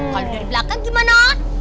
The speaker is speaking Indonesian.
kalau dari belakang gimana